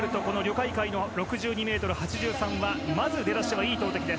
・カイカイの６２ｍ８３はまず出だしはいい投てき。